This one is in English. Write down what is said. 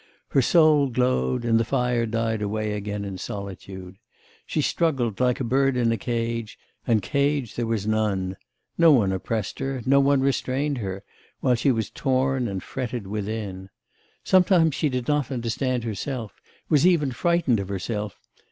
Her soul glowed, and the fire died away again in solitude; she struggled like a bird in a cage, and cage there was none; no one oppressed her, no one restrained her, while she was torn, and fretted within. Sometimes she did not understand herself, was even frightened of herself.